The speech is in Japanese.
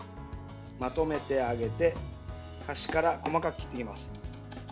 まとめてあげて端から細かく切っていきます。